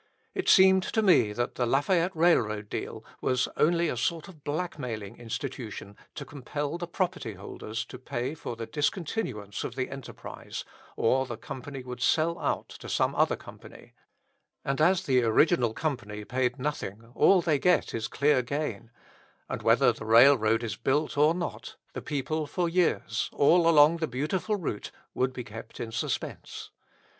It seemed to me that the Lafayette railroad deal was only a sort of blackmailing institution to compel the property holders to pay for the discontinuance of the enterprise, or the company would sell out to some other company; and as the original company paid nothing all they get is clear gain; and whether the railroad is built or not, the people for years, all along the beautiful route, would be kept in suspense.